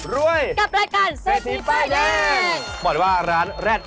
สวัสดีครับสวัสดีครับ